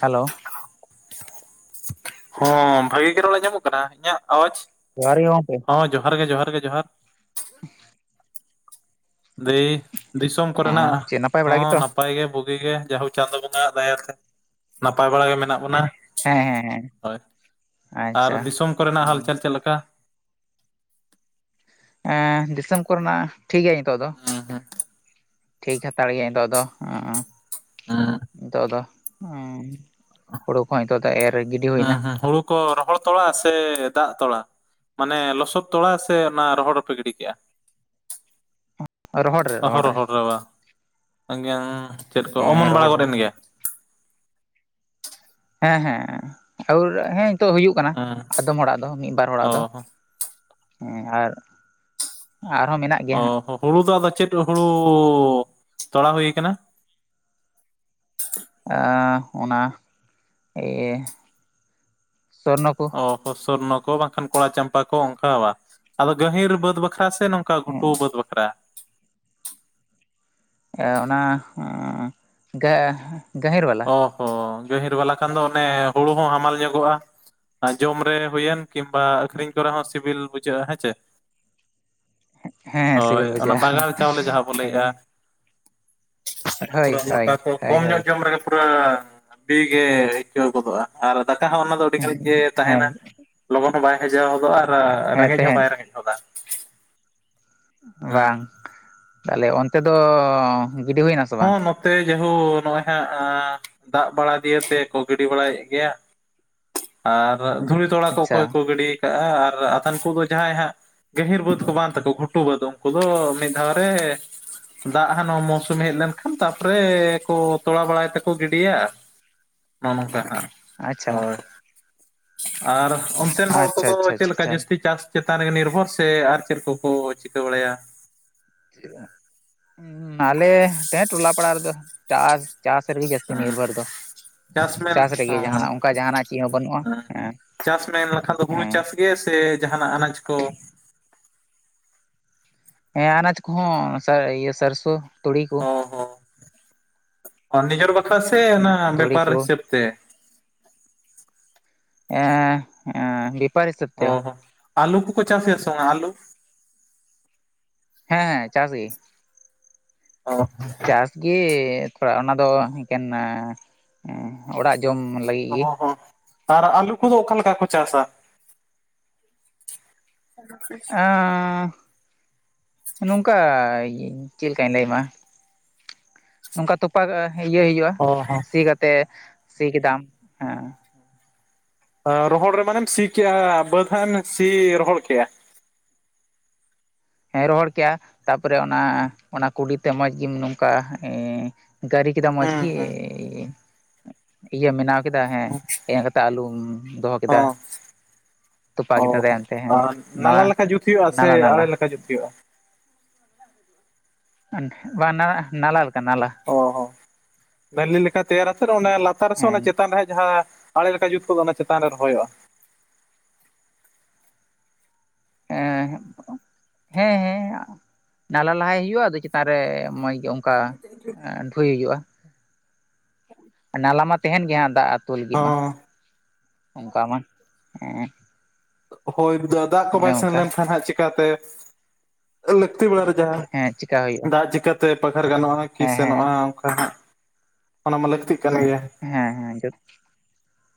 Hello ᱦᱚᱸ ᱵᱷᱟᱹᱜᱤ ᱜᱮ ᱨᱮ ᱧᱟᱢᱚᱜ ᱠᱟᱱᱟ ᱤᱧᱟᱹᱜ ᱟᱣᱟᱡᱽ? ᱡᱚᱦᱟᱨ ᱜᱤ ᱜᱚᱝᱠᱮ ᱦᱚᱸ ᱡᱚᱦᱟᱨ ᱜᱮ ᱡᱚᱦᱟᱨ ᱜᱮ ᱡᱚᱦᱟᱨ ᱫᱤ ᱫᱤᱥᱚᱢ ᱠᱚᱨᱮᱱᱟᱜ ᱦᱮᱸ ᱪᱮᱫ ᱱᱟᱯᱟᱭ ᱵᱟᱲᱟ ᱦᱚᱸ ᱜᱮᱛᱚ ᱱᱟᱯᱟᱭ ᱱᱟᱯᱟᱭ ᱜᱮ ᱵᱩᱜᱤ ᱜᱮ ᱡᱦᱳᱠ ᱪᱟᱸᱫᱚ ᱵᱚᱸᱜᱟᱟᱜ ᱫᱟᱭᱟᱛᱮ ᱱᱟᱯᱟᱭ ᱵᱟᱲᱟ ᱜᱮ ᱢᱮᱱᱟᱜ ᱵᱚᱱᱟ᱾ ᱦᱮᱸ ᱦᱮᱸ ᱦᱮᱸ ᱦᱳᱭ ᱟᱨ ᱟᱪᱪᱷᱟ ᱫᱤᱥᱚᱢ ᱠᱚᱨᱮᱱᱟᱜ ᱦᱟᱞᱪᱟᱞ ᱪᱮᱫᱞᱮᱠᱟ? ᱮᱸ ᱫᱤᱥᱚᱢ ᱠᱚᱨᱮᱱᱟᱜ ᱴᱷᱤᱠ ᱜᱮᱭᱟ ᱱᱤᱛᱳᱜ ᱫᱚ᱾ ᱦᱩᱸ ᱦᱩᱸ ᱴᱷᱤᱠ ᱦᱟᱛᱟᱲ ᱜᱮᱭᱧ ᱱᱤᱛᱳᱜ ᱫᱚ᱾ ᱮᱸ ᱦᱚ ᱱᱤᱛᱚᱜ ᱫᱚ ᱦᱩᱲᱩ ᱠᱚᱦᱚᱸ ᱱᱤᱛᱚᱜ ᱫᱚ ᱮᱨ ᱜᱤᱰᱤ ᱦᱩᱭ ᱮᱱᱟ᱾ ᱦᱩᱸ ᱦᱩᱸ ᱦᱩᱲᱩ ᱠᱚ ᱨᱚᱦᱚᱲ ᱛᱚᱲᱟ ᱥᱮ ᱫᱟᱜ ᱛᱚᱞᱟ? ᱢᱟᱱᱮ ᱞᱚᱥᱚᱫ ᱛᱚᱲᱟ ᱥᱮ ᱚᱱᱟ ᱨᱚᱦᱚᱲ ᱦᱚᱸᱯᱮ ᱜᱤᱰᱤ ᱠᱮᱜᱼᱟ᱾ ᱨᱚᱦᱚᱲ ᱨᱮ ᱚᱦ ᱨᱚᱦᱚᱲ ᱨᱮ ᱨᱚᱦᱚᱨ ᱨᱟᱵᱟ ᱮᱜ ᱪᱮᱫ ᱠᱚ ᱦᱮᱸ ᱚᱢᱚᱱ ᱵᱟᱲᱟ ᱨᱚᱦᱚᱲ ᱜᱚᱫ ᱨᱮ ᱮᱱ ᱜᱮᱭᱟ᱾ ᱦᱮᱸ ᱦᱮᱸ ᱟᱨ ᱦᱮᱸ ᱱᱤᱛᱚᱜ ᱦᱩᱭᱩᱜ ᱠᱟᱱᱟ ᱦᱩᱸ ᱟᱫᱚᱢ ᱦᱚᱲᱟᱜ ᱫᱚ ᱢᱤᱫ ᱵᱟᱨ ᱚ ᱦᱚᱲᱟᱜ ᱫᱚ᱾ ᱦᱮᱸ ᱟᱨ ᱟᱨᱦᱚᱸ ᱢᱮᱱᱟᱜ ᱜᱮᱭᱟ ᱚ ᱦᱩᱲᱩ ᱫᱚ ᱟᱫᱚ ᱪᱮᱫ ᱦᱩᱲᱩ ᱛᱚᱲᱟ ᱦᱩᱭ ᱠᱟᱱᱟ᱾ ᱚᱱᱟ ᱮᱤᱭᱟᱹ ᱥᱱᱚ ᱠᱚ ᱥᱚᱨᱱᱚ ᱠᱚ ᱵᱟᱝᱠᱷᱟᱱ ᱠᱚᱲᱟ ᱪᱟᱢᱯᱟ ᱠᱚ ᱚᱱᱠᱟᱣᱟ ᱟᱫᱚ ᱜᱟᱹᱦᱤᱨ ᱵᱟᱹᱫᱽ ᱵᱟᱠᱷᱨᱟ ᱥᱮ ᱱᱚᱝᱠᱟ ᱠᱟᱷᱴᱩᱣᱟᱹᱚᱫ ᱵᱟᱠᱷᱨᱟ ᱮᱸ ᱚᱱᱟ ᱜᱟ ᱜᱟᱹᱦᱤᱨ ᱣᱟᱞ ᱚ ᱦᱚᱸᱚ ᱜᱟᱹᱦᱤᱨ ᱵᱟᱞᱟ ᱠᱷᱟᱱ ᱫᱚ ᱚᱱᱮ ᱦᱩᱲᱩ ᱦᱚᱸ ᱦᱟᱢᱟᱞ ᱧᱚᱜᱚᱜᱼᱟ ᱡᱚᱢ ᱨᱮ ᱦᱩᱭᱮᱱ ᱠᱤᱝᱵᱟ ᱟᱹᱠᱷᱨᱤᱧ ᱠᱚᱨᱮ ᱦᱚᱸ ᱥᱤᱵᱤᱞ ᱵᱩᱡᱷᱟᱹᱜᱼᱟ ᱦᱮᱸᱥᱮ? ᱦᱮᱸ ᱦᱳᱭ ᱥᱤᱵᱤᱞ ᱚᱱᱟ ᱵᱩᱡᱷᱟᱹᱜᱼᱟ ᱵᱟᱜᱟᱱ ᱪᱟᱣᱞᱮ ᱡᱟᱦᱟᱸ ᱵᱚᱱ ᱦᱮᱸ ᱞᱟᱹᱭᱮᱫᱼᱟ᱾ ᱯᱩᱨᱟᱹ ᱦᱳᱭ ᱢᱚᱴᱟ ᱦᱳᱭ ᱠᱚ ᱠᱚᱢ ᱦᱳᱭ ᱧᱚᱜ ᱦᱳᱭ ᱡᱚᱢ ᱨᱮᱜᱮ ᱯᱩᱨᱟᱹ ᱵᱤᱮ ᱟᱹᱭᱠᱟᱹᱣ ᱜᱚᱫᱚᱜᱼᱟ᱾ ᱟᱨ ᱫᱟᱠᱟ ᱦᱚᱸ ᱚᱱᱟ ᱫᱚ ᱟᱹᱰᱤ ᱦᱮᱸ ᱜᱷᱟᱹᱲᱤᱡ ᱜᱮ ᱛᱟᱦᱮᱱᱟ ᱦᱮᱸ ᱞᱚᱜᱚᱱ ᱦᱚᱸ ᱵᱟᱭ ᱦᱟᱮᱡᱟᱣ ᱦᱚᱫᱚᱜᱼᱟ ᱟᱨ ᱨᱮᱸᱜᱮᱡ ᱦᱚᱸ ᱛᱟᱦᱮᱸᱱ ᱵᱟᱭ ᱨᱮᱸᱜᱮᱡ ᱜᱚᱫᱟ᱾ ᱵᱟᱝ ᱛᱟᱦᱚᱞᱮ ᱚᱱᱛᱮ ᱫᱚ ᱜᱤᱰᱤ ᱦᱩᱭ ᱱᱟᱥ ᱦᱚᱸ ᱱᱚᱛᱮ ᱡᱮᱦᱳᱠ ᱱᱚᱜᱼᱚᱭ ᱦᱟᱸᱜ ᱫᱟᱜ ᱵᱟᱲᱟ ᱫᱤᱭᱮ ᱛᱮᱠᱚ ᱜᱤᱰᱤ ᱵᱟᱲᱟᱭᱮᱫ ᱜᱮᱭᱟ ᱟᱨ ᱫᱷᱩᱲᱤ ᱛᱚᱲᱟ ᱠᱚ ᱟᱪᱪᱷᱟ ᱚᱠᱚᱭ ᱠᱚ ᱜᱤᱰᱤ ᱠᱟᱜᱼᱟ ᱟᱨ ᱟᱫᱷᱮᱱ ᱠᱚᱫᱚ ᱡᱟᱦᱟᱸᱭ ᱦᱟᱸᱜ ᱜᱟᱹᱦᱤᱨ ᱵᱟᱹᱫᱽ ᱠᱚ ᱵᱟᱝ ᱛᱟᱠᱚ ᱜᱷᱩᱴᱩ ᱵᱟᱹᱫ ᱩᱱᱠᱩ ᱫᱚ ᱢᱤᱫ ᱫᱷᱟᱣ ᱨᱮ ᱫᱟᱜ ᱦᱟᱱ ᱢ ᱢ ᱦᱮᱡ ᱞᱮᱱᱠᱷᱟᱱ ᱛᱟᱨᱯᱚᱨᱮ ᱠᱚ ᱛᱚᱲ ᱵᱟᱲᱟᱭ ᱛᱮᱠᱚ ᱜᱤᱰᱤᱭᱟ ᱱᱚᱜᱼᱚ ᱱᱚᱝᱠᱟ ᱟᱪᱪᱷᱟ ᱦᱳᱭ ᱟᱨ ᱚᱱᱛᱮᱱ ᱦᱚᱲ ᱟᱪᱪᱷᱟ ᱠᱚᱫᱚ ᱟᱪᱪᱷᱟ ᱪᱮᱫ ᱟᱪᱪᱷᱟ ᱞᱮᱠᱟ ᱟᱪᱪᱷᱟ ᱡᱟᱹᱥᱛᱤ ᱪᱟᱥ? ᱪᱮᱛᱟᱱ ᱨᱮᱜᱮ ᱱᱤᱨᱵᱷᱚᱨ ᱥᱮ ᱟᱨ ᱪᱮᱫ ᱠᱚᱠᱚ ᱪᱤᱠᱟᱹ ᱵᱟᱲᱟᱭᱟ? ᱟᱞᱮ ᱴ ᱴᱚᱞᱟ ᱯᱟᱲᱟ ᱨᱮᱫᱚ ᱪᱟᱥ ᱪᱟᱥᱟᱹᱨᱜ ᱡᱟᱹᱥᱛᱤ ᱦᱮᱸ ᱱᱨ ᱵᱟᱨ ᱫᱚ ᱢᱮᱱ ᱪᱟᱥ ᱦᱚᱸ ᱨᱮᱜᱮᱱᱟᱜ ᱚᱱᱠᱟ ᱡᱟᱦᱟᱱᱟᱜ ᱪᱮᱫ ᱦᱚᱸ ᱵᱟᱹᱱᱩᱜᱼᱟ ᱦᱮᱸ ᱪᱟᱥ ᱢᱮᱱ ᱞᱮᱠᱷᱟᱱ ᱫᱚ ᱦᱩᱲᱩ ᱦᱮᱸ ᱪᱟᱥ ᱜᱮ ᱥᱮ ᱡᱟᱦᱟᱱᱟᱜ ᱟᱱᱟᱡ ᱠᱚ ᱦᱮᱸ ᱟᱱᱟᱡᱽ ᱠᱚᱦᱚᱸ ᱤᱭᱟᱹ ᱥᱟᱹᱨᱥᱳ ᱛᱩᱲᱤ ᱠᱚ ᱚ ᱦᱚᱸ ᱱᱤᱡᱮᱨ ᱵᱟᱠᱷᱨᱟ ᱥᱮ ᱚᱱᱟ ᱛᱩᱲᱤ ᱵᱮᱯᱟᱨ ᱠᱚ ᱦᱤᱥᱟᱹᱵ ᱛᱮ ᱮ ᱚ ᱦᱚᱸ ᱟᱞᱩ ᱠᱚᱠᱚ ᱪᱟ ᱯᱷ ᱥᱜ ᱟᱞᱩ? ᱦᱮᱸ ᱦᱮᱸ ᱪᱟᱥ ᱜᱮ ᱚᱦ ᱦᱚ ᱪᱟᱥ ᱜᱮ ᱛᱷᱚᱲᱟ ᱚᱱᱟ ᱫᱚ ᱮᱠᱮᱱ ᱚᱲᱟᱜ ᱡᱚᱢ ᱞᱟᱹᱜᱤᱫ ᱜᱮ ᱚ ᱦᱚ ᱟᱨ ᱟᱞᱩ ᱠᱚᱫᱚ ᱚᱠᱟᱮᱠᱟ ᱠᱚ ᱪᱟᱥᱟ? ᱟᱺ ᱱᱚᱝᱠᱟ ᱪᱮᱫ ᱞᱮᱠᱟᱧ ᱞᱟᱹᱭᱟᱢᱢᱟ? ᱱᱚᱝᱠᱟ ᱛᱚᱯᱟ ᱤᱭᱟᱹ ᱦᱩᱭᱩᱜᱼᱟ ᱚ ᱦᱚᱸ ᱥᱤ ᱠᱟᱛᱮ ᱥᱤ ᱠᱮᱫᱟᱢ ᱦᱮᱸ ᱨᱚᱦᱚᱲ ᱨᱮ ᱢᱟᱱᱮᱢ ᱥᱤ ᱠᱮᱫᱮᱜᱼᱟ ᱵᱟᱹᱫ ᱦᱜ ᱮᱢ ᱥᱤ ᱨᱚᱦᱚᱲ ᱠᱼᱟ? ᱦᱮᱸ ᱨᱚᱦᱚᱲ ᱠᱮᱭᱟ ᱛᱟᱨᱯᱚᱨᱮ ᱚᱱᱟ ᱚᱱᱟ ᱠᱩᱰᱤᱛᱮ ᱢᱚᱸᱡᱽ ᱜᱮᱢ ᱱᱚᱝᱠᱟ ᱮᱸ ᱜᱟᱹᱨᱤ ᱠᱮᱫᱟ ᱢᱚᱸᱡᱽ ᱦᱩᱸ ᱜᱮ ᱦᱩᱸ ᱤᱭᱟᱹ ᱵᱮᱱᱟᱣ ᱠᱮᱫᱟ ᱦᱮᱸ ᱮ ᱠᱟᱛᱮᱜ ᱟᱞᱩᱚᱢ ᱫᱚᱦᱚ ᱠᱮᱫᱟ ᱦᱚᱸ ᱛᱩᱯ ᱚ ᱜᱫ ᱦᱚᱸ ᱟᱛᱮ ᱦᱮᱸ ᱟᱨ ᱱᱟᱞᱟ ᱱᱟᱞ ᱱᱟᱞ ᱦᱩᱭᱩᱜ-ᱟ ᱱᱟᱞᱠ ᱚ ᱦᱚᱸ ᱢᱮᱱᱤ ᱞᱮᱠᱟ ᱛᱮᱭᱟᱨᱟᱛ ᱚᱱᱟ ᱞᱟᱛᱟᱨ ᱨᱮᱥ ᱦᱮᱸ ᱪᱮᱛᱟᱱ ᱨᱮ ᱡᱟᱦᱟᱸ ᱟᱲᱮ ᱞᱮᱠᱟ ᱡᱩᱛ ᱠᱚᱫᱚ ᱚᱱᱟ ᱪᱮᱛᱟᱱ ᱨᱮ ᱨᱚᱦᱚᱭᱚᱜᱼᱟ ᱦ ᱦᱮᱸ ᱦᱮᱸ ᱱᱟᱞᱟ ᱞᱟᱦᱟᱭ ᱦᱩᱭᱩᱜᱼᱟ ᱟᱫᱚ ᱪᱮᱛᱟᱱ ᱨᱮ ᱢᱚᱸᱡᱽ ᱜᱮ ᱚᱱᱠᱟ ᱰᱳᱩᱭᱳᱼᱟ ᱱᱟᱞᱟ ᱢᱟ ᱛᱟᱦᱮᱱ ᱜᱮ ᱦᱟᱜ ᱫᱟᱜ ᱟᱹᱛᱩ ᱞᱟᱹᱜᱤᱫ ᱢᱟ ᱦᱚᱸ ᱚᱱᱠᱟ ᱢᱟ ᱦᱮᱸ ᱦᱳᱭ ᱫᱟᱜ ᱠᱚ ᱚᱱᱮ ᱵᱟᱭ ᱥᱮᱱ ᱚᱱᱠᱟ ᱞᱮᱱᱠᱷᱟᱱ ᱦᱟᱸᱜ ᱪᱤᱠᱠᱟᱛᱮ ᱞᱟᱹᱠᱛᱤ ᱵᱮᱲᱟ ᱨᱮ ᱡᱟᱦᱟᱸ ᱦᱮ ᱪᱮᱠᱟ ᱦᱩᱭᱩᱜᱼᱟ ᱫᱟᱜ ᱪᱤᱠᱠᱟᱛᱮ ᱯᱟᱠᱷᱟᱨ ᱜᱟᱱᱚᱜᱼᱟ ᱠᱤ ᱦᱮᱸ ᱦᱮᱸ ᱥᱮᱱᱚᱜᱼᱟ ᱚᱱᱠᱟ ᱦᱟᱸᱜ ᱚᱱᱟ ᱢᱟ ᱞᱟᱹᱠᱛᱤᱜ ᱠᱟᱱ ᱜᱮᱭᱟ ᱦᱮᱸ ᱦᱮᱸ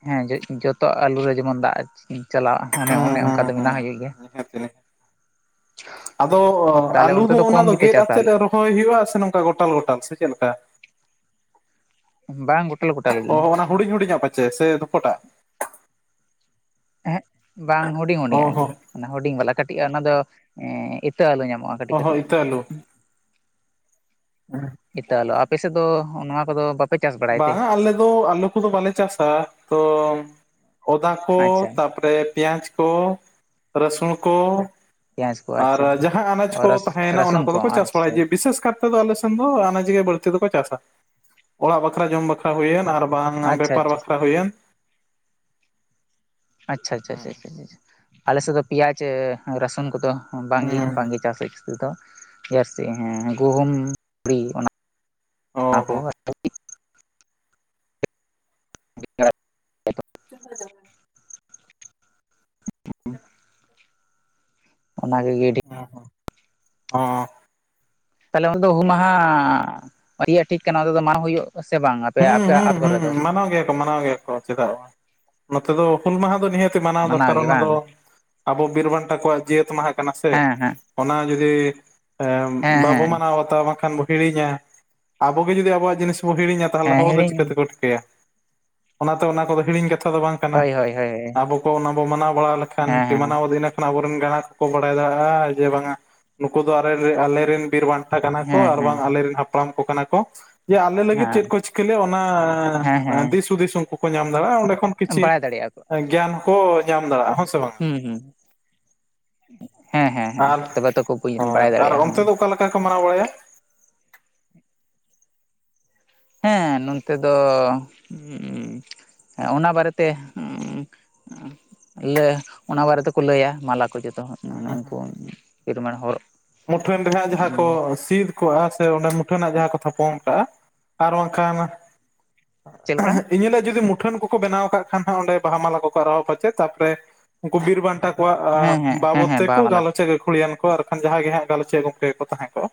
ᱦᱮᱸ ᱡᱚ ᱡᱚᱡ ᱡᱚᱛᱚ ᱟᱞᱩ ᱨᱮ ᱡᱮᱢᱚᱱ ᱫᱟᱜ ᱪᱟᱞᱟᱣᱼᱟ ᱦᱸ ᱦᱮᱸ ᱦᱮᱸ ᱛ ᱟᱫᱚ ᱛᱟᱦᱚᱞᱮ ᱟᱞᱩ ᱚᱱᱛᱮ ᱫᱚ ᱚᱱᱟ ᱠᱚᱢ ᱫᱚ ᱜᱮᱯᱮ ᱜᱮᱫ ᱪᱟᱥᱟ ᱟᱛᱮᱫ ᱦᱳᱭ ᱦᱩᱭᱩᱜᱼᱟ ᱥᱮ ᱱᱚᱝᱠᱟ ᱜᱚᱴᱟᱞ ᱜᱚᱴᱟᱞ ᱥᱮ ᱪᱮᱫᱠᱟ? ᱵ ᱵᱟᱝᱟᱝ ᱜᱴᱟᱞ ᱠᱚᱩ ᱚ ᱚᱱᱟ ᱦᱩᱰᱤᱧ ᱦᱩᱰᱤᱧᱟᱜ ᱯᱟᱪᱷᱮ ᱥᱮ ᱫᱩᱯᱴᱟᱜ ᱦᱮᱸ ᱵᱟᱝ ᱦᱩᱰᱤᱧ ᱚ ᱦᱩᱰᱤᱧᱟᱜ ᱜᱮ ᱦᱚᱸ ᱦᱩᱰᱤᱧ ᱵᱟᱞᱟ ᱠᱟᱹᱴᱤᱡ ᱚᱱᱟ ᱫᱚ ᱮ ᱤᱛᱟᱹ ᱟᱞᱚ ᱧᱟᱢᱚᱜᱼᱟ ᱠᱟᱹᱴᱤᱡ ᱚ ᱦᱚᱸ ᱠᱟᱹᱴᱤᱡ ᱤᱛᱟᱹ ᱟᱹᱞᱩ ᱮᱤᱛᱞᱚᱜ ᱟᱯᱮ ᱥᱮᱫ ᱫᱚ ᱱᱚᱣᱟ ᱠᱚᱫᱚ ᱵᱟᱯ? ᱵᱟᱝ ᱟᱞᱮ ᱫᱚ ᱟᱞᱮ ᱠᱚᱫᱚ ᱵᱟᱞᱮ ᱪᱟᱥᱟ ᱛᱚ ᱚᱫᱟ ᱠᱚ ᱟᱪᱪᱷᱟ ᱛᱟᱨᱯᱚᱨᱮ ᱯᱮᱸᱭᱟᱡᱽ ᱠᱚ ᱨᱟᱹᱥᱩᱱ ᱠᱚ ᱯᱮᱸᱭᱟᱡᱽ ᱠᱚ ᱟᱨ ᱟᱪᱪᱷᱟ ᱡᱟᱦᱟᱸ ᱟᱱᱟᱡ ᱠᱚ ᱛᱟᱦᱮᱱᱟ ᱮᱱᱟ ᱚᱱᱟ ᱨᱟᱹᱥᱩᱱ ᱠᱚᱫᱚ ᱠᱚ ᱪᱟᱥ ᱵᱟᱲᱟᱭᱟ ᱟᱪᱪᱷᱟ ᱡᱮ ᱵᱤᱥᱮᱥ ᱠᱟᱨᱛᱮ ᱫᱚ ᱟᱞᱮᱥᱮᱱ ᱫᱚ ᱟᱱᱟᱡᱽ ᱜᱮ ᱵᱟᱹᱲᱛᱤ ᱫᱚ ᱠᱚ ᱪᱟᱥᱟ ᱚᱲᱟᱜ ᱵᱟᱠᱷᱨᱟ ᱡᱚᱢ ᱵᱟᱠᱷᱨᱟ ᱦᱩᱭᱮᱱ ᱟᱨ ᱵᱟᱝ ᱟᱪᱪᱷᱟ ᱟᱪᱪᱷᱟ ᱵᱮᱯᱟᱨ ᱵᱟᱠᱷᱨᱟ ᱦᱩᱭᱮᱱ ᱟᱪᱪᱷᱟ ᱟᱪᱪᱷᱟ ᱪᱷᱟ ᱟᱞᱮᱥᱮᱫ ᱫᱚ ᱯᱮᱭᱟᱡᱽ ᱨᱟᱹᱥᱩᱱ ᱠᱚᱫᱚ ᱵᱟᱝᱜᱮ ᱦᱩᱸ ᱵᱟᱝᱜᱮ ᱪᱟᱥ ᱛᱮᱫᱚ ᱡᱥᱛᱤ ᱜᱩᱦᱩᱢ ᱛᱩᱲᱤ ᱚᱱᱟ ᱚ ᱚᱱᱟ ᱠᱚ ᱦᱚᱸ [unintelligible] ᱟᱪᱪ [unintelligible] ᱴ [unintelligible] [unintelligible] ᱚᱱᱟᱜᱮ ᱜᱤᱰᱤ ᱦᱩᱸ [unintelligible] ᱛᱟᱦᱚᱞᱮ ᱚᱱᱟ ᱫᱚ ᱦᱩᱢ ᱢᱟᱦᱟ ᱤᱭ ᱴᱷᱤᱠ ᱠᱟᱱᱟ ᱚᱱᱟ ᱫᱚ ᱢᱟ ᱦᱩᱭᱩᱜ ᱥᱮ ᱵᱟᱝ ᱟᱯᱮ ᱦᱩᱸ ᱟᱯᱮᱭᱟᱜ ᱦᱩᱸ ᱟᱛᱩ ᱠᱚᱨᱮ ᱦᱩᱸ ᱫᱚ ᱢᱟᱱᱟᱣ ᱜᱮᱭᱟ ᱠᱚ ᱢᱟᱱᱟᱣ ᱜᱮᱭᱟ ᱠᱚ ᱪᱮᱫᱟᱜ ᱱᱚᱛᱮ ᱫᱚ ᱦᱩᱞ ᱢᱟᱦᱟ ᱫᱚ ᱱᱤᱦᱟᱹᱛ ᱢᱟᱱᱟᱣ ᱫᱚᱨᱠᱟᱨ ᱜᱮ ᱚᱱᱟ ᱵᱟᱝ ᱫᱚ ᱟᱵᱚ ᱵᱤᱨ ᱵᱟᱱᱴᱟ ᱠᱚᱣᱟᱜ ᱡᱤᱭᱟᱹᱛ ᱢᱟᱦᱟ ᱠᱟᱱᱟ ᱥᱮ ᱦᱮᱸ ᱦᱮᱸ ᱚᱱᱟ ᱡᱩᱫᱤ ᱦᱮᱸ ᱵᱟᱵᱚ ᱦᱮᱸ ᱢᱟᱱᱟᱣ ᱵᱟᱛᱟ ᱵᱟᱝᱠᱷᱟᱱ ᱵᱚ ᱦᱤᱲᱤᱧᱟ᱾ ᱟᱵᱚᱜ ᱜᱮ ᱡᱩᱫᱤ ᱟᱵᱚᱣᱟᱜ ᱡᱤᱱᱤᱥ ᱵᱚ ᱦᱤᱲᱤᱧᱟ᱾ ᱛᱟᱦᱚᱞᱮ ᱦᱮᱸ ᱦᱚᱲ ᱫᱚ ᱦᱤᱲᱤᱧ ᱪᱤᱠᱟᱹ ᱛᱮᱠᱚ ᱴᱷᱤᱠᱟᱹᱭᱟ᱾ ᱚᱱᱟᱛᱮ ᱚᱱᱟ ᱠᱚᱫᱚ ᱦᱤᱲᱤᱧ ᱠᱟᱛᱷᱟ ᱫᱚ ᱵᱟᱝ ᱠᱟᱱᱟ᱾ ᱦᱳᱭ ᱦᱳᱭ ᱦᱳᱭ ᱟᱵᱚ ᱠᱚ ᱚᱱᱟᱵᱚ ᱢᱟᱱᱟᱣ ᱵᱟᱲᱟ ᱞᱮᱠᱷᱟᱱ ᱦᱮᱸ ᱦᱮᱸ ᱢᱟᱱᱟᱣ ᱟᱹᱫᱤᱱᱟ ᱟᱵᱚᱨᱮᱱ ᱜᱟᱬᱟ ᱠᱚ ᱵᱟᱲᱟᱭ ᱫᱟᱲᱮᱭᱟᱜᱼᱟ ᱡᱮ ᱵᱟᱝ ᱟ ᱱᱩᱠᱩ ᱫᱚ ᱟᱞᱮ ᱟᱞᱮᱨᱮᱱ ᱵᱤᱨ ᱵᱟᱱ ᱠᱟᱱᱟ ᱠᱚ ᱦᱮᱸ ᱟᱨ ᱦᱮᱸ ᱵᱟᱝ ᱟᱞᱮᱨᱮᱱ ᱦᱟᱯᱲᱟᱢ ᱠᱚ ᱠᱟᱱᱟ ᱠᱚ ᱡᱮ ᱟᱞᱮ ᱞᱟᱹᱜᱤᱫ ᱪᱮᱫ ᱠᱚ ᱪᱤᱠᱟᱹ ᱚᱱᱟ ᱦᱮᱸ ᱦᱮᱸ ᱫᱤᱥ ᱦᱩᱫᱤᱥ ᱩᱱᱠᱩ ᱠᱚ ᱧᱟᱢ ᱫᱟᱲᱮᱭᱟᱜᱼᱟ ᱚᱸᱰᱮ ᱠᱷᱚᱱ ᱦᱮᱸ ᱠᱤᱪᱷᱤᱩ ᱵᱟᱲᱟᱭ ᱫᱟᱲᱮᱭᱟᱜᱼᱟ ᱠᱚ ᱜᱮᱭᱟᱱ ᱠᱚ ᱧᱟᱢ ᱫᱟᱲᱮᱭᱟᱜᱼᱟ᱾ ᱵᱟᱝᱟ ᱦᱩᱸ ᱦᱩᱸ ᱦᱮᱸ ᱦᱮᱸ ᱦᱮᱸ ᱟᱨ ᱛᱚᱵᱮ ᱛᱚᱠᱚ ᱵᱩᱡ ᱦᱳᱭ ᱵᱟᱲᱟᱭ ᱟᱨ ᱫᱟᱲᱮᱭᱟᱜᱼᱟ᱾ ᱚᱱᱛᱮ ᱫᱚ ᱚᱠᱟ ᱠᱚ ᱢᱟᱱᱟᱣ ᱵᱟᱲᱟᱭᱟ ᱦᱮᱸ ᱱᱚᱱᱛᱮ ᱫᱚ ᱩᱹ ᱚᱱᱟ ᱵᱟᱨᱮᱛᱮ ᱞᱟᱹᱭ ᱚᱱᱟ ᱵᱟᱨᱮ ᱛᱮᱠᱚ ᱞᱟᱹᱭᱟ ᱢᱟᱞᱟ ᱠᱚ ᱡᱚᱛᱚ ᱦᱚᱲ [unintelligible] ᱩᱱᱠᱩᱢᱟᱱ ᱦᱚᱨᱚᱜ ᱢᱩᱴᱷᱟᱹᱱ ᱨᱮᱭᱟᱜ ᱡᱟᱦᱟᱸ ᱠᱚ ᱥᱤᱫ ᱠᱚᱜᱼᱟ ᱥᱮ ᱚᱸᱰᱮ ᱢᱩᱴᱷᱟᱹᱱᱟᱜ ᱡᱟᱦᱟᱸ ᱠᱚ ᱛᱷᱟᱯᱚᱱ ᱠᱟᱜᱼᱟ ᱟᱨ ᱵᱟᱝᱠᱷᱟᱱ ᱪᱮᱫ ᱞᱮᱠᱟ ᱤᱱᱦᱤᱞᱚᱜ ᱡᱩᱫᱤ ᱢᱩᱴᱷᱟᱹᱱ ᱠᱚ ᱵᱮᱱᱟᱣ ᱠᱟᱜ ᱠᱷᱟᱱ ᱚᱸᱰᱮ ᱵᱟᱦᱟ ᱢᱟᱞᱟ ᱠᱚ ᱠᱚ ᱟᱨᱟᱣᱟ ᱪᱮᱫ ᱛᱟᱯᱚᱨᱮ ᱩᱱᱠᱩ ᱵᱤᱨ ᱵᱟᱱᱴᱟ ᱠᱚᱣᱟᱜ ᱟ ᱦᱮᱸ ᱦᱮᱸ ᱦᱮᱸ ᱵᱟᱵᱚᱛ ᱦᱮᱸ ᱛᱮᱠᱚ ᱵᱟᱦᱟ ᱢᱟᱞᱟ ᱜᱟᱞᱚᱪᱟ ᱜᱟᱹᱠᱷᱩᱲᱤᱭᱟᱱ ᱠᱚ ᱟᱨ ᱠᱷᱟᱱ ᱡᱟᱦᱟᱸᱭ ᱜᱮ ᱦᱟᱸᱜ ᱜᱟᱞᱚᱪᱮᱫ ᱜᱚᱝᱠᱮ ᱜᱮᱠᱚ ᱛᱟᱦᱮᱸ ᱠᱚᱜᱼᱟ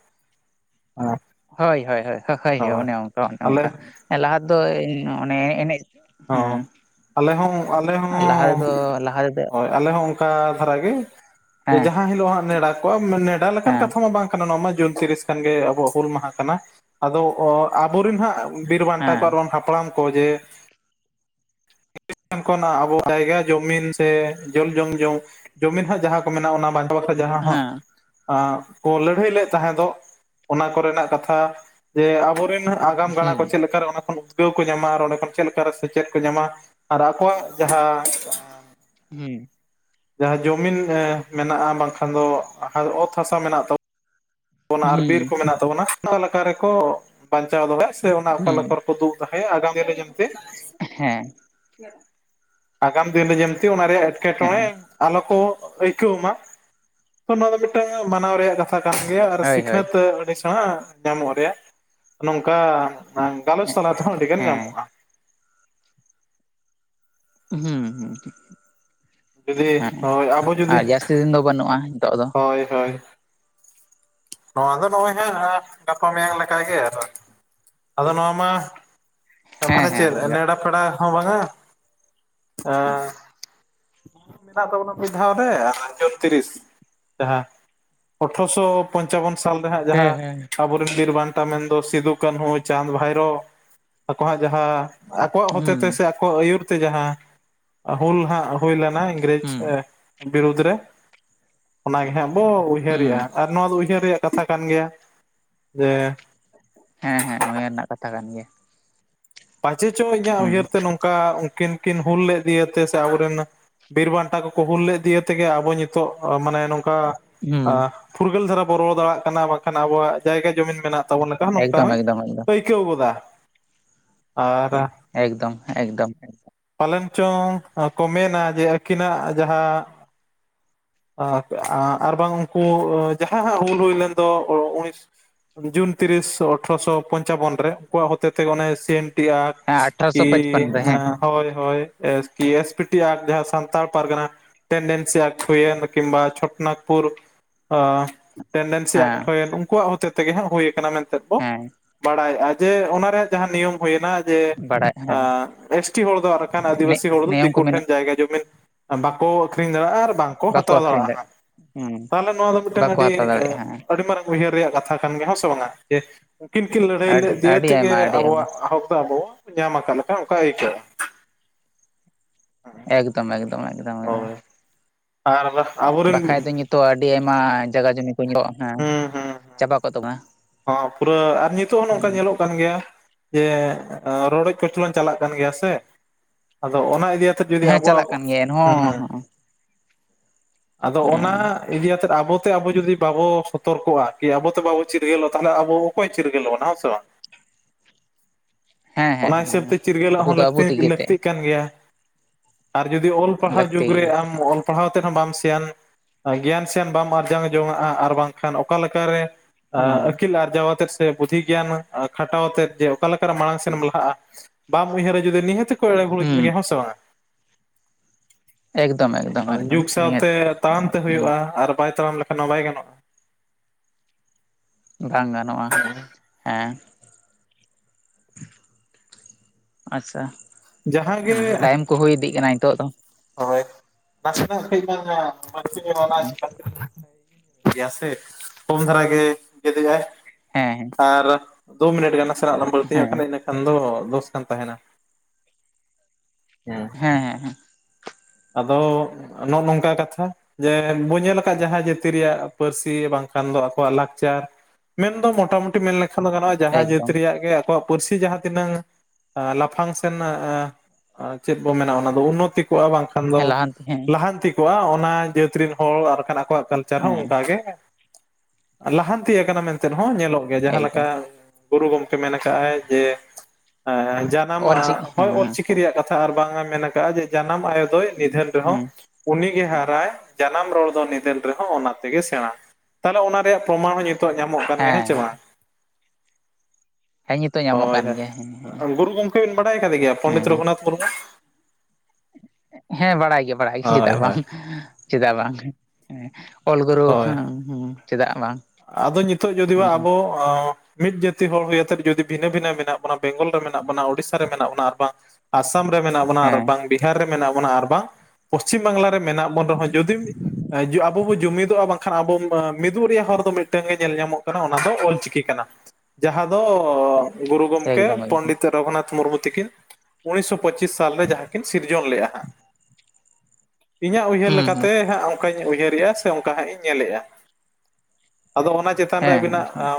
ᱦᱮᱸ ᱦᱳᱭ ᱦᱳᱭ ᱦᱳᱭ ᱦᱳᱭ ᱦᱳᱭ ᱚᱱᱮ ᱚᱱᱠᱟ ᱚᱱᱮ ᱟᱞᱮ ᱚᱱᱠᱟ ᱞᱟᱦᱟ ᱫᱚ ᱚᱱᱮ ᱮᱱᱮᱡ ᱦᱚᱸ ᱦᱮᱸ ᱟᱞᱮ ᱦᱚᱸ ᱟᱞᱮ ᱦᱚᱸ ᱞᱟᱦᱟ ᱨᱮᱫᱚ ᱞᱟᱦᱟ ᱨᱮᱫᱚ ᱦᱳᱭ ᱟᱞᱮ ᱦᱚᱸ ᱚᱱᱠᱟ ᱫᱷᱟᱨᱟ ᱜᱮ ᱡᱮ ᱦᱮᱸ ᱡᱟᱦᱟᱸ ᱦᱤᱞᱳᱜ ᱦᱟᱜ ᱱᱮᱰᱟ ᱠᱚᱣᱟ ᱱᱮᱰᱟ ᱞᱮᱠᱟᱱ ᱦᱮᱸ ᱠᱟᱛᱷᱟ ᱢᱟ ᱵᱟᱝ ᱡᱩᱱ ᱛᱤᱨᱤᱥ ᱠᱷᱜ ᱟᱵᱚᱟᱜ ᱦᱩᱞ ᱢᱟᱦᱟ ᱠᱟᱱᱟ ᱟᱫᱚ ᱚ ᱟᱵᱚᱨᱮᱱ ᱦᱟᱸᱜ ᱵᱤᱨ ᱵᱟᱱᱴᱟ ᱠᱚ ᱦᱮᱸ ᱵᱟ ᱦᱟᱯᱲᱟᱢ ᱠᱚ ᱡᱮ ᱟᱵᱚ ᱡᱟᱭᱜᱟ ᱡᱚᱢᱤᱱ ᱥᱮ ᱡᱚᱞ ᱡᱚᱝ ᱡᱚᱝ ᱡᱩᱚᱢᱤᱱ ᱦᱟᱸᱜ ᱡᱟᱦᱟᱸ ᱠᱚ ᱢᱮᱱᱟᱜᱼᱟ ᱚᱱᱟ ᱵᱟᱝ ᱡᱟᱦᱟᱸ ᱦᱟᱸᱜ ᱦᱮᱸ ᱠᱚ ᱞᱟᱹᱲᱦᱟᱹᱭ ᱞᱮᱫ ᱛᱟᱦᱮᱸᱫᱚᱜ ᱚᱱᱟ ᱠᱚᱨᱮᱱᱟᱜ ᱠᱟᱛᱷᱟ ᱡᱮ ᱟᱵᱚᱨᱮᱱ ᱛᱤᱱᱟᱹᱜ ᱟᱜᱟᱢ ᱜᱟᱲᱟ ᱦᱩᱸ ᱠᱚ ᱪᱮᱫ ᱞᱮᱠᱟ ᱨᱮ ᱚᱱᱟ ᱠᱷᱚᱱ ᱩᱫᱽᱜᱟᱹᱣ ᱠᱚ ᱧᱟᱢᱟ ᱟᱨ ᱚᱸᱰᱮ ᱠᱷᱚᱱ ᱪᱮᱫ ᱞᱮᱠᱟ ᱨᱮ ᱥᱮᱪᱮᱫ ᱠᱚ ᱧᱟᱢᱟ ᱟᱨ ᱟᱠᱚᱣᱟᱜ ᱡᱟᱦᱟᱸ ᱦᱮᱸ ᱡᱟᱦᱟᱸ ᱡᱚᱢᱤᱱ ᱢᱮᱱᱟᱜᱼᱟ ᱵᱟᱝᱠᱷᱟᱱ ᱫᱚ ᱚᱛ ᱦᱟᱥᱟ ᱢᱮᱱᱟᱜ ᱛᱟᱵᱚᱱᱟ ᱟᱨ ᱵᱤᱨ ᱦᱩᱸ ᱠᱚ ᱢᱮᱱᱟᱜ ᱛᱟᱵᱚᱱᱟ ᱚᱠᱟ ᱞᱮᱠᱟ ᱨᱮᱠᱚ ᱵᱟᱧᱪᱟᱣ ᱫᱚᱦᱚᱭᱟ ᱥᱮ ᱚᱱᱟ ᱚᱠᱟ ᱦᱩᱸ ᱫᱩᱜ ᱟᱜᱟᱢ ᱫᱤᱱ ᱨᱮ ᱧᱮᱞ ᱯᱮ [unintelligible] ᱦᱮᱸ ᱟᱜᱟᱢ ᱫᱤᱱᱨᱮ ᱧᱮᱞᱪᱮ ᱚᱱᱟ ᱨᱮᱭᱟᱜ ᱮᱴᱠᱮ ᱴᱚᱬᱮ ᱦᱮᱸ ᱟᱞᱚ ᱠᱚ ᱟᱹᱭᱠᱟᱹᱣ ᱢᱟ ᱛᱚ ᱱᱚᱣᱟ ᱫᱚ ᱢᱤᱫᱴᱟᱝ ᱢᱟᱱᱟᱣ ᱨᱮᱭᱟᱜ ᱠᱟᱛᱷᱟ ᱠᱟᱱ ᱜᱮᱭᱟ ᱟᱨ ᱦᱳᱭ ᱦᱳᱭ ᱥᱤᱠᱷᱱᱟᱹᱛ ᱟᱹᱰᱤ ᱥᱮᱬᱟ ᱧᱟᱢᱚᱜ ᱨᱮᱭᱟᱜ ᱱᱚᱝᱠᱟ ᱵᱟᱝ ᱜᱟᱞᱚᱪ ᱥᱟᱞᱟᱜ ᱛᱮᱦᱚᱸ ᱟᱹᱰᱤ ᱜᱟᱱ ᱦᱮᱸ ᱧᱟᱢᱚᱜᱼᱟ᱾ ᱦᱩᱸ ᱡᱩᱫᱤ ᱦᱩᱸ ᱦᱳᱭ ᱟᱵᱚ ᱡᱩᱫᱤ ᱟᱨ ᱡᱟᱹᱥᱛᱤ ᱫᱤᱱ ᱫᱚ ᱵᱟᱹᱱᱩᱜ-ᱟ ᱱᱤᱛᱚᱜ ᱫᱚ ᱦᱳᱭ ᱦᱳᱭ ᱱᱚᱣᱟ ᱫᱚ ᱱᱚᱜ-ᱚᱭ ᱦᱟᱸᱜ ᱜᱟᱯᱟ ᱢᱮᱭᱟᱝ ᱞᱮᱠᱟᱜᱮ ᱟᱫᱚ ᱱᱚᱣᱟ ᱢᱟ ᱦᱮᱸ ᱢᱟᱱᱮ ᱦᱮᱸ ᱪᱮᱫ ᱱᱮᱲᱟ ᱯᱮᱲᱟ ᱦᱚᱸ ᱵᱟᱝ-ᱟ᱾ [inaudible] ᱢᱮᱱᱟᱜ ᱛᱟᱵᱚᱱᱟ ᱢᱤᱫ ᱫᱷᱟᱣ ᱨᱮ ᱡᱚᱛᱛᱤᱨᱤᱥ ᱡᱟᱦᱟᱸ ᱟᱴᱷᱨᱚᱥᱚ ᱯᱚᱧᱪᱟᱵᱚᱱ ᱥᱟᱞᱨᱮᱦᱟᱸ ᱦᱮᱸ ᱡᱟᱦᱟᱸ ᱦᱮᱸ ᱟᱵᱚᱨᱮᱱ ᱵᱤᱨ ᱵᱟᱱᱴᱟ ᱢᱮᱱᱫᱚ ᱥᱤᱫᱩ ᱠᱟᱹᱱᱦᱩ ᱪᱟᱸᱫᱽ ᱵᱷᱟᱭᱨᱳ ᱟᱠᱚᱣᱟᱜ ᱡᱟᱦᱟᱸ ᱟᱠᱚᱣᱟᱜ ᱦᱩᱸ ᱦᱚᱛᱮᱛᱮ ᱥᱮ ᱟᱠᱚᱣᱟᱜ ᱟᱹᱭᱩᱨ ᱛᱮ ᱡᱟᱦᱟᱸ ᱦᱩᱞ ᱦᱟᱸᱜ ᱦᱩᱭ ᱞᱮᱱᱟ᱾ ᱤᱝᱨᱮᱡᱽ ᱦᱩᱸ ᱵᱤᱨᱩᱫᱽ ᱨᱮ ᱚᱱᱟᱜᱮ ᱦᱟᱸᱜ ᱵᱚ ᱩᱭᱦᱟᱹᱨᱮᱜ-ᱟ ᱦᱩᱸ ᱟᱨ ᱱᱚᱣᱟᱫᱚ [unintelligible] ᱨᱮᱭᱟᱜ ᱠᱟᱛᱷᱟ ᱠᱟᱱ ᱜᱮᱭᱟ ᱡᱮ ᱦᱮᱸ ᱦᱮᱸ ᱩᱭᱦᱟᱹᱨ ᱨᱮᱱᱟᱜ ᱠᱟᱛᱷᱟ ᱠᱟᱱ ᱜᱮᱭᱟ ᱯᱟᱪᱷᱮ ᱪᱚᱝ ᱤᱧᱟᱹᱜ ᱩᱭᱦᱟᱹᱨ ᱦᱩᱸ ᱛᱮ ᱱᱚᱝᱠᱟ ᱩᱱᱠᱤᱱ ᱠᱤᱱ ᱦᱩᱞ ᱞᱮᱫ ᱤᱭᱟᱹᱛᱮ ᱥᱮ ᱟᱵᱚᱨᱮᱱ ᱵᱤᱨ ᱵᱟᱱᱴᱟ ᱠᱚᱠᱚ ᱦᱩᱞ ᱞᱮᱫ ᱫᱤᱭᱟᱹ ᱛᱮᱜᱮ ᱟᱵᱚ ᱧᱤᱛᱚᱜ ᱢᱟᱱᱮ ᱱᱚᱝᱠᱟ ᱦᱩᱸ ᱟᱸ ᱯᱷᱩᱨᱜᱟᱹᱞ ᱫᱷᱟᱨᱟ ᱵᱚᱱ ᱨᱚᱲ ᱫᱟᱲᱮᱭᱟᱜ ᱠᱟᱱᱟ ᱵᱟᱝᱠᱷᱟᱱ ᱟᱵᱚᱣᱟᱜ ᱡᱟᱭᱜᱟ ᱡᱚᱢᱤᱱ ᱢᱮᱱᱟᱜ ᱛᱟᱵᱚᱱ ᱞᱮᱠᱟ ᱦᱚᱸ ᱮᱠᱫᱚᱢ ᱱᱚᱝᱦᱚᱧ ᱮᱠᱫᱚᱢ ᱮᱠᱫᱚᱢ ᱟᱹᱭᱠᱟᱹᱣ ᱜᱚᱫᱟ ᱟᱨ ᱮᱠᱫᱚᱢ ᱮᱠᱫᱚᱢ ᱯᱟᱞᱮᱱ ᱪᱚᱝ ᱠᱚ ᱢᱮᱱᱟ ᱡᱮ ᱟᱹᱠᱤᱱᱟᱜ ᱡᱟᱦᱟᱸ ᱟᱨ ᱵᱟᱝᱼᱟ ᱩᱱᱠᱩ ᱡᱟᱦᱟᱸ ᱦᱟᱸᱜ ᱦᱩᱞ ᱦᱩᱭ ᱞᱮᱱ ᱫᱚ ᱩᱱᱤᱥ ᱡᱩᱱ ᱛᱤᱨᱤᱥ ᱟᱴᱷᱨᱚᱥᱚ ᱯᱚᱧᱪᱟᱵᱚᱱ ᱨᱮ ᱩᱱᱠᱩᱣᱟᱜ ᱦᱚᱛᱮ ᱛᱮ ᱚᱱᱮ ᱥᱤᱱ ᱟᱴᱷᱨᱚᱥᱚ ᱯᱟᱸᱪᱯᱚᱱ ᱨᱮ ᱦᱮᱸ [unintelligible] ᱦᱳᱭ ᱦᱳᱭ ᱮᱥᱴᱤ ᱮᱥᱯᱤᱴᱤ ᱮᱠᱴ ᱡᱟᱦᱟᱸ ᱥᱟᱱᱛᱟᱲ ᱯᱟᱨᱜᱟᱱᱟ [unintelligible] ᱮᱠᱴ ᱦᱩᱭᱮᱱ ᱟᱨ ᱵᱟᱝ ᱠᱤ ᱪᱷᱚᱴᱱᱟᱜᱯᱩᱨ ᱟ ᱴᱮᱱᱰᱮᱱᱥᱤ ᱦᱮᱸ ᱮᱠᱴ ᱦᱩᱭᱮᱱ ᱩᱱᱠᱩᱣᱟᱜ ᱦᱚᱛᱮ ᱛᱮᱜᱮ ᱦᱟᱸᱜ ᱦᱩᱭ ᱟᱠᱟᱱᱟ ᱢᱮᱱᱛᱮ ᱵᱚ ᱦᱮᱸ ᱵᱟᱲᱟᱭᱮᱜ-ᱟ ᱡᱮ ᱚᱱᱟ ᱨᱮᱭ ᱡᱟᱦᱟᱸ ᱱᱤᱭᱚᱢ ᱦᱩᱭᱱᱟ ᱡᱮ ᱵᱟᱲᱟᱭ ᱦᱮᱸ ᱟᱸ ᱮᱥᱴᱤ ᱦᱚᱲ ᱫᱚ ᱟᱨ ᱠᱷᱟᱱ ᱟᱹᱫᱤᱵᱟᱹᱥᱤ ᱦᱚᱲ ᱫᱚ ᱱᱤᱭᱚᱢ ᱠᱚ ᱫᱤᱠᱩ ᱴᱷᱮᱱ ᱢᱮᱱᱟᱜ ᱡᱟᱭᱜᱟ ᱡᱚᱢᱤᱱ ᱵᱟᱠᱚ ᱟᱹᱠᱷᱨᱤᱧ ᱫᱟᱲᱮᱭᱟᱜ-ᱟ ᱟᱨ ᱵᱟᱝ ᱠᱚ ᱵᱟᱠᱚ ᱦᱟᱛᱟᱣ ᱟᱠᱷᱨᱤᱧ ᱫᱟᱲᱮᱭᱟᱜ-ᱟ ᱫᱟᱲᱮᱭᱟᱜ ᱦᱟᱸᱜ ᱦᱮᱸ ᱛᱟᱦᱚᱞᱮ ᱱᱚᱣᱟᱨᱮ ᱢᱤᱫᱴᱟᱝ ᱵᱟᱠᱚ ᱟᱹᱰᱤ ᱦᱟᱛᱟᱣ ᱫᱟᱲᱮᱭᱟᱜᱼᱟ ᱟᱹᱰᱤ ᱢᱟᱨᱟᱝ ᱩᱭᱦᱟᱹᱨ ᱨᱮᱭᱟᱜ ᱠᱟᱛᱷᱟ ᱠᱟᱱ ᱜᱮᱭᱟ ᱦᱚᱸ ᱥᱮ ᱵᱟᱝ-ᱟ ᱡᱮ ᱩᱱᱠᱤᱱ ᱠᱤᱱ ᱞᱟᱹᱲᱦᱟᱹᱭ ᱦᱮᱸ ᱞᱮᱜ ᱫᱤᱭᱟᱹ ᱟᱹᱰᱤ ᱛᱮᱜᱮ ᱟᱭᱢᱟ ᱟᱹᱰᱤ ᱟᱵᱚᱣᱟᱜ ᱟᱭᱢᱟ ᱦᱚᱠᱫᱚ ᱟᱵᱚᱣᱟᱜ ᱧᱟᱢ ᱟᱠᱟᱱ ᱞᱮᱠᱟ ᱚᱱᱠᱟ ᱟᱹᱭᱠᱟᱹᱜ-ᱟ᱾ ᱮᱠᱫᱚᱢ ᱮᱠᱫᱚᱢ ᱮᱠᱫᱚᱢ ᱮᱠᱫᱚᱢ ᱦᱳᱭ ᱟᱨ ᱟᱫᱚ ᱟᱵᱚᱨᱤᱱ ᱛᱚ ᱟᱹᱰᱤ ᱟᱭᱢᱟ ᱡᱟᱜᱟ ᱡᱚᱢᱤ ᱠᱚ ᱧᱤᱞᱚ ᱠᱟᱱᱟ ᱪᱟᱵᱟ ᱠᱚᱜ ᱛᱟᱵᱚᱱᱟ᱾ ᱦᱚ ᱯᱩᱨᱟᱹ ᱟᱨ ᱱᱤᱛᱚᱜ ᱚᱱᱮᱚᱱᱠᱟ ᱧᱮᱞᱚᱜ ᱠᱟᱱ ᱜᱮᱭᱟ ᱡᱮ ᱨᱚᱰᱚᱡ ᱠᱚᱪᱞᱚᱱ ᱪᱟᱞᱟᱜ ᱠᱟᱱ ᱜᱮᱭᱟ ᱥᱮ, ᱟᱫᱚ ᱚᱱᱟ ᱤᱫᱤ ᱟᱛ ᱡᱩᱫᱤ ᱦᱮᱸ ᱟᱵᱚ ᱪᱟᱞᱟᱜ ᱟᱵᱚ ᱠᱟᱱ ᱜᱮᱭᱟ ᱮᱱᱦᱚᱸ ᱦᱮᱸ ᱟᱫᱚ ᱚᱱᱟ ᱦᱮᱸ ᱤᱫᱤᱟᱛᱮ ᱟᱵᱚᱛᱮ ᱟᱵᱚ ᱡᱩᱫᱤ ᱵᱟᱵᱚ ᱥᱚᱛᱚᱨᱠᱚᱜ-ᱟ ᱠᱤ ᱟᱵᱚᱛᱮ ᱵᱟᱵᱚ ᱪᱮᱫ [inaudible] ᱛᱟᱦᱚᱞᱮ ᱟᱵᱚ ᱚᱠᱚᱭ ᱪᱤᱨᱜᱟᱹᱞ ᱵᱚᱱᱟ ᱦᱚᱸ ᱥᱮ ᱵᱟᱝ ᱦᱮᱸ ᱦᱮᱸ ᱚᱱᱟ ᱦᱤᱥᱟᱹᱵ ᱦᱮᱸ ᱛᱮ ᱪᱤᱨᱜᱟᱹᱞᱟᱜ ᱟᱵᱚ ᱦᱚᱸ ᱫᱚ ᱟᱵᱚ ᱛᱮᱜᱮ ᱛᱮ ᱞᱟᱹᱠᱛᱤᱜ ᱠᱟᱱ ᱜᱮᱭᱟ᱾ ᱟᱨ ᱡᱩᱫᱤ ᱚᱞ ᱯᱟᱲᱦᱟᱣ ᱞᱟᱹᱠᱛᱤ ᱡᱩᱜᱽ ᱨᱮ ᱜᱮᱭᱟ ᱟᱢ ᱚᱞ ᱯᱟᱲᱦᱟᱣ ᱛᱮᱦᱚᱸ ᱵᱟᱢ ᱥᱮᱭᱟᱱ ᱜᱮᱭᱟᱱ ᱥᱮᱭᱟᱱ ᱵᱟᱢ ᱟᱨᱡᱟᱣ ᱡᱚᱝᱱᱟᱜ-ᱟ ᱟᱨ ᱵᱟᱝᱠᱷᱟᱱ ᱚᱠᱟ ᱞᱮᱠᱟᱨᱮ ᱦᱩᱸ ᱟᱹᱠᱤᱞ ᱟᱨᱡᱟᱣ ᱟᱛᱮᱫ ᱥᱮ ᱯᱩᱛᱷᱤ ᱜᱮᱭᱟᱱ ᱟᱸ ᱠᱷᱟᱴᱟᱣ ᱟᱛᱮᱫ ᱡᱮ ᱚᱠᱟᱞᱮᱠᱟᱨᱮ ᱢᱟᱲᱟᱝ ᱥ ᱞᱟᱦᱟᱜ-ᱟ ᱵᱟᱢ ᱩᱭᱦᱟᱹᱨᱟ ᱡᱩᱫᱤ ᱱᱤᱦᱟᱹᱛᱠᱚ ᱮᱲᱮ ᱜᱷᱩᱨᱩᱡ ᱦᱩᱸ ᱢᱮᱭᱟ ᱦᱚᱸ ᱥᱮ ᱵᱟᱝᱟ ᱮᱠᱫᱚᱢ ᱮᱠᱫᱚᱢ ᱮᱠᱫᱚᱢ ᱡᱩᱜᱽ ᱱᱤᱦᱟᱹᱛ ᱥᱟᱶᱛᱮ ᱛᱟᱲᱟᱢᱛᱮ ᱦᱩᱭᱩᱜ-ᱟ ᱟᱨ ᱵᱟᱭ ᱛᱟᱲᱟᱢ ᱞᱮᱠᱷᱟᱱ ᱦᱚᱸ ᱵᱟᱭ ᱜᱟᱱᱚᱜ-ᱟ ᱵᱟᱝ ᱜᱟᱱᱚᱜ-ᱟ ᱦᱮᱸ ᱟᱪᱪᱷᱟ ᱡᱟᱦᱟᱸ ᱦᱚᱸ ᱴᱟᱭᱤᱢ ᱠᱚ ᱦᱩᱭ ᱤᱫᱤᱜ ᱠᱟᱱᱟ ᱱᱤᱛᱳᱜ ᱫᱚ ᱦᱭ ᱱᱟᱥ ᱦᱩᱭ ᱦᱮᱸ ᱟᱠᱟᱱ [unintelligible] ᱥᱮ ᱠᱚᱢ ᱫᱷᱟᱨᱟ ᱜᱮ ᱛᱮᱟᱭ ᱦᱮᱸ ᱟᱨ ᱫᱩ ᱢᱤᱱᱴ ᱜᱟᱱ ᱱᱟᱥᱮᱱᱟᱜ ᱞᱟᱝ ᱵᱟᱹᱲᱛᱤ ᱧᱚᱜ ᱦᱮᱸ ᱠᱟᱱᱟ ᱤᱱᱟᱹ ᱠᱷᱟᱱ ᱫᱚ ᱫᱳᱥ ᱠᱟᱱ ᱛᱟᱦᱮᱱᱟ᱾ ᱦᱮ ᱦᱮᱸ ᱦᱮᱸᱮᱸ ᱟᱫᱚ ᱱᱚᱜᱚ ᱱᱚᱝᱠᱟ ᱠᱟᱛᱷᱟ᱾ ᱡᱮ ᱵᱚᱱ ᱧᱮᱞ ᱟᱠᱟᱫ ᱡᱟᱦᱟᱸ ᱡᱟᱹᱛᱤ ᱨᱮᱭᱟᱜ ᱯᱟᱹᱨᱥᱤ ᱵᱟᱝᱠᱷᱟᱱ ᱫᱚ ᱟᱠᱚᱣᱟᱜ ᱞᱟᱠᱪᱟᱨ ᱢᱮᱱᱫᱚ ᱢᱚᱴᱟᱢᱩᱴᱤ ᱢᱮᱱ ᱞᱮᱠᱷᱟᱱ ᱫᱚ ᱜᱟᱱᱚᱜᱼᱟ, ᱡᱟᱦᱟᱸ ᱡᱟᱹᱛ ᱮᱠᱫᱚᱢ ᱨᱮᱭᱟᱜ ᱜᱮ ᱟᱠᱚᱣᱟᱜ ᱯᱟᱹᱨᱥᱤ ᱡᱟᱦᱟᱸ ᱛᱤᱱᱟᱹᱝ ᱞᱟᱯᱷᱟᱝ ᱥᱮᱱ ᱪᱮᱫ ᱵᱚ ᱢᱮᱱᱟ ᱚᱱᱟ ᱫᱚ ᱩᱱᱱᱚᱛᱤ ᱠᱚᱜᱼᱟ ᱵᱟᱝᱠᱷᱟᱱ ᱫᱚ ᱦᱮᱸ ᱞᱟᱦᱟᱱᱛᱤ ᱦᱮᱸ ᱞᱟᱦᱟᱱᱛᱤ ᱠᱚᱜᱼᱟ ᱚᱱᱟ ᱡᱟᱹᱛ ᱨᱮᱱ ᱦᱚᱲ ᱟᱨᱠᱷᱟᱱ ᱟᱠᱚᱣᱟᱜ ᱦᱚᱸ ᱦᱮᱸ ᱚᱱᱠᱟᱜᱮ, ᱞᱟᱦᱟᱱᱛᱤᱤᱭᱟ ᱟᱠᱟᱱᱟ ᱢᱮᱱᱛᱮ ᱦᱚᱸ ᱧᱮᱞᱚᱜ ᱜᱮᱭᱟ, ᱡᱟᱦᱟᱸ ᱞᱮᱠᱟ ᱮᱠᱫᱚᱢ ᱜᱩᱨᱩ ᱜᱚᱢᱠᱮ ᱢᱮᱱ ᱠᱟᱜ ᱟᱭ ᱡᱮ ᱮᱸᱻ ᱡᱟᱱᱟᱢ ᱚᱞᱪᱤᱠᱤ ᱦᱚᱭ ᱦᱮᱸ ᱚᱞᱪᱤᱠᱤ᱾ ᱪᱤ ᱨᱮᱭᱟᱜ ᱠᱟᱛᱷᱟ ᱟᱨ ᱵᱟᱝ ᱮ ᱢᱮᱱ ᱟᱠᱟᱟᱜᱼᱟ ᱡᱮ ᱡᱟᱱᱟᱢ ᱟᱭᱳ ᱫᱚᱭ ᱱᱤᱫᱷᱟᱹᱱ ᱨᱮᱦᱚᱸ ᱦᱮᱸ ᱩᱱᱤᱜᱮ ᱦᱟᱨᱟᱭ ᱡᱟᱱᱟᱢ ᱨᱚᱲ ᱫᱚ ᱱᱤᱫᱷᱟᱹᱱ ᱨᱮᱦᱚᱸ ᱚᱱᱟ ᱛᱮᱜᱮ ᱥᱮᱬᱟ᱾ ᱛᱟᱦᱞᱮ ᱚᱱᱟ ᱨᱮᱭᱟᱜ ᱯᱨᱚᱢᱟᱱ ᱦᱚᱸ ᱱᱤᱛᱚᱜ ᱧᱟᱢᱚᱜ ᱠᱟᱱ ᱜᱮᱭᱟ ᱦᱮᱸ ᱥᱮ ᱵᱟᱝ [inaudible] ᱦᱮᱸ ᱱᱤᱛᱚᱜ ᱧᱟᱢᱚᱜ ᱦᱳᱭ ᱠᱟᱱ ᱜᱮᱭᱟ ᱦᱮᱸ ᱦᱮᱸ ᱦᱳᱭ ᱜᱩᱨᱩ ᱜᱚᱢᱠᱮ ᱵᱮᱤᱱ ᱵᱟᱰᱟᱭ ᱠᱟᱫᱮ ᱜᱮᱭᱟ ᱯᱚᱱᱰᱤᱛ ᱦᱮᱸ ᱨᱚᱜᱷᱩᱱᱟᱛᱷ ᱢᱩᱨᱢᱩ? ᱦᱮᱸ ᱵᱟᱲᱟᱭ ᱜᱮ ᱵᱟᱲᱟᱭ ᱜᱮ ᱦᱳᱭ ᱪᱮᱫᱟᱜ ᱦᱳᱭ ᱵᱟᱝ ᱪᱮᱫᱟᱜ ᱵᱟᱝ ᱦᱮᱸ ᱚᱞ ᱜᱩᱨᱩ ᱦᱳᱭ ᱦᱮᱸ ᱦᱸ ᱪᱮᱫᱟᱜ ᱵᱟᱝ ᱟᱫᱚ ᱱᱤᱛᱚᱜ ᱡᱩᱫᱤ ᱵᱟ ᱟᱵᱚ ᱚᱸᱻ ᱢᱤᱫ ᱡᱟᱹᱛᱤ ᱦᱚᱲ ᱦᱩᱭ ᱟᱛᱮᱫ ᱡᱩᱫᱤ ᱵᱷᱤᱱᱟᱹ ᱵᱷᱤᱱᱟᱹ ᱢᱮᱱᱟᱜ ᱵᱚᱱᱟ ᱵᱮᱝᱜᱚᱞ ᱨᱮ ᱢᱮᱱᱟᱜ ᱵᱚᱱᱟ ᱩᱳᱲᱤᱥᱥᱟ ᱨᱮ ᱢᱮᱱᱟᱜ ᱵᱚᱱᱟ ᱟᱨ ᱵᱟᱝ ᱟᱥᱟᱢ ᱨᱮ ᱢᱮᱱᱟᱜ ᱵᱚᱱᱟ, ᱟᱨ ᱦᱮᱸ ᱵᱟᱝ ᱵᱤᱦᱟᱨ ᱨᱮ ᱢᱮᱱᱟᱜ ᱵᱚᱱᱟ, ᱟᱨ ᱵᱟᱝ ᱯᱚᱥᱪᱷᱤᱢ ᱵᱟᱝᱞᱟ ᱨᱮ ᱢᱮᱱᱟᱜ ᱵᱚᱱ ᱨᱮᱦᱚᱸ ᱡᱩᱫᱤ ᱟᱵᱚ ᱵᱚ ᱡᱩᱢᱤᱫᱚᱜᱼᱟ ᱵᱟᱝᱠᱷᱟᱱ ᱟᱵᱚ ᱢᱤᱫᱚᱜ ᱨᱮᱭᱟᱜ ᱦᱚᱨ ᱫᱚ ᱢᱤᱫᱴᱟᱝ ᱜᱮ ᱧᱮᱞ ᱧᱟᱢᱚᱜ ᱠᱟᱱᱟ ᱚᱱᱟ ᱫᱚ ᱚᱞᱪᱤᱠᱤ ᱠᱟᱱᱟ᱾ ᱡᱟᱦᱟᱸ ᱫᱚ ᱜᱩᱨᱩ ᱜᱚᱢᱠᱮ ᱮᱠᱫᱚᱢ ᱮᱠᱫᱚᱢ ᱯᱚᱱᱰᱤᱛ ᱨᱚᱜᱩᱱᱟᱛᱷ ᱢᱩᱨᱢᱩ ᱛᱤᱠᱤᱱ᱾ ᱩᱱᱤᱥᱥᱚ ᱯᱚᱸᱪᱤᱥ ᱥᱟᱞᱨᱮ ᱡᱟᱦᱟᱸ ᱠᱤᱱ ᱥᱤᱨᱡᱚᱱ ᱞᱮᱫᱜᱼᱟ ᱦᱟᱸᱜ ᱤᱧᱟᱹᱜ ᱩᱭᱦᱟᱹᱨ ᱦᱩᱸ ᱦᱩᱸ ᱞᱮᱠᱟᱛᱮ ᱦᱟᱸᱜ ᱚᱱᱠᱟᱧ ᱩᱭᱦᱟᱹᱨᱮᱜᱼᱟ᱾ ᱥᱮ ᱚᱱᱠᱟ ᱦᱟᱸᱜ ᱤᱧ ᱧᱮᱞᱮᱜᱼᱟ᱾ ᱟᱫᱚ ᱚᱱᱟ ᱪᱮᱛ ᱦᱮᱸ ᱦᱮᱸ ᱦᱮᱸ